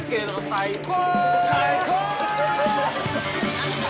最高！